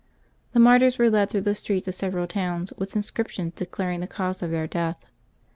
The martyrs were led through the streets of several towns with inscriptions de claring the cause of their death.